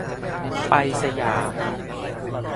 ไป สยาม